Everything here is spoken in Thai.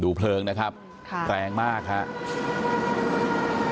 เพลิงนะครับแรงมากครับ